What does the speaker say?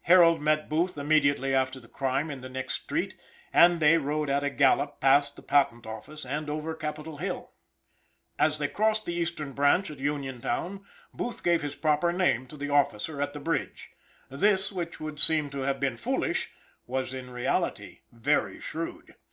Harold met Booth immediately after the crime in the next street, and they rode at a gallop past the Patent Office and over Capitol Hill. As they crossed the Eastern branch at Uniontown, Booth gave his proper name to the officer at the bridge. This, which would seem to have been foolish, was, in reality, very shrewd.